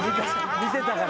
見てたから？